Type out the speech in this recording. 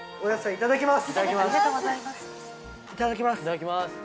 いただきます。